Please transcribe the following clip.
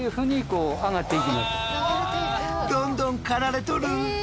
どんどん刈られとる。